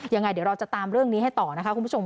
ยังไงเดี๋ยวเราจะตามเรื่องนี้ให้ต่อนะคะคุณผู้ชม